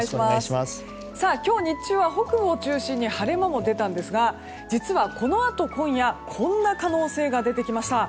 今日日中は北部を中心に晴れ間も出たんですが実は、このあと今夜こんな可能性が出てきました。